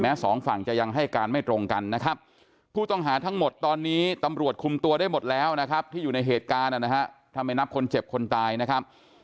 วันนี้ตำรวจไปตรวจค้นบ้านเป้าหมายนะฮะ